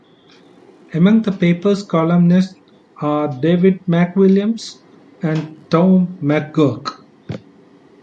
Among the paper's columnists are David McWilliams and Tom McGurk.